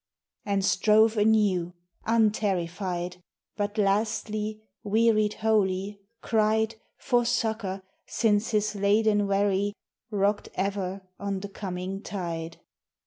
And strove anew, unterrified, But lastly, wearied wholly, cried For succor, since his laden wherry Rocked ever on the coming tide.